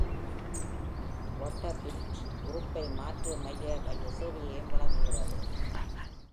Vanderbilt உறுப்பு மாற்று மைய சேவையையும் வழங்குகிறது.